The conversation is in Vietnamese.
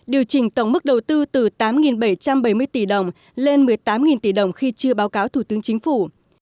điều chỉnh tổng mức đầu tư từ tám bảy trăm bảy mươi tỷ đồng lên một mươi tám tỷ đồng khi chưa báo cáo thủ tướng chính phủ